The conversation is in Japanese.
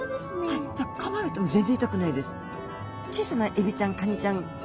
はいだからかまれても全然痛くないです。